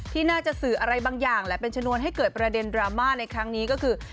ที่น่าจะสื่ออะไรบางอย่างแหละเป็นชนวนให้เกิดประเด็นดราม่าในครั้งนี้ก็คือ